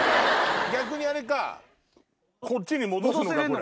⁉逆にあれかこっちに戻すのかね